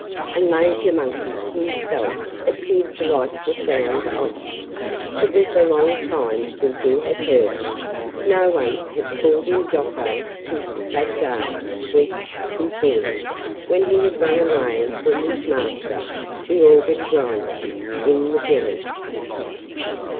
And Major Monkey himself appeared to like the sound of it. It was a long time since he had heard it. No one had called him "Jocko" since that day weeks before when he had run away from his master, the organ grinder, in the village.